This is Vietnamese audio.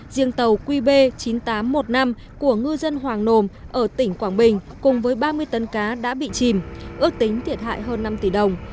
riêng tàu qb chín nghìn tám trăm một mươi năm của ngư dân hoàng nồm ở tỉnh quảng bình cùng với ba mươi tấn cá đã bị chìm ước tính thiệt hại hơn năm tỷ đồng